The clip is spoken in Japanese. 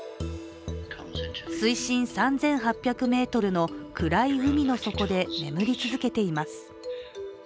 水深３８００ｍの暗い海の底で眠り続けています。